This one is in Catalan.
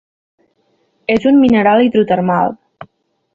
És un mineral hidrotermal.